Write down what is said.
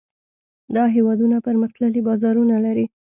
دا هېوادونه پرمختللي بازارونه لري.